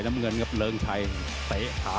มุมแดงมีคุณต่อบิโบรีนะครับขึ้นมาถอดมงคลให้กับ